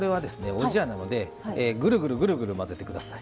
おじやなのでぐるぐるぐるぐる混ぜてください。